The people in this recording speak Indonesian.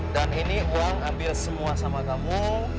dan ini uang ambil semua sama kamu